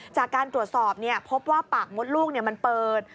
จากการตรวจสอบพบว่าปากมดลูกมันเปิด